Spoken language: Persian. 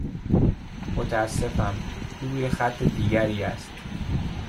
متاسفم، او روی خط دیگری است.